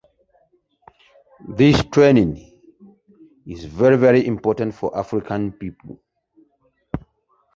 Family released their second album, "Family Entertainment", in their native Britain.